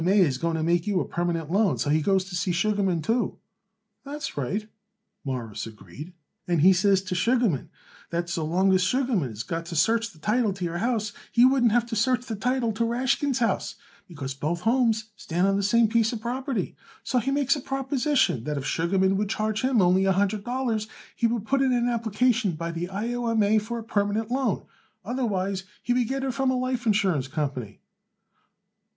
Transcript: O. M. A. is going to make you a permanent loan, so he goes to see Sugarman too." "That's right," Morris agreed. "And he says to Sugarman that so long as Sugarman is got to search the title to your house he wouldn't have to search the title to Rashkin's house, because both houses stands on the same piece of property. So he makes a proposition that if Sugarman would charge him only a hundred dollars he would put in an application by the I. O. M. A. for a permanent loan. Otherwise he would get it from a life insurance company."